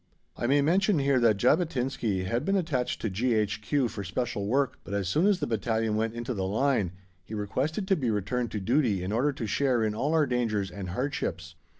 I may mention here that Jabotinsky had been attached to G.H.Q. for special work, but, as soon as the battalion went into the line, he requested to be returned to duty in order to share in all our dangers and hardships.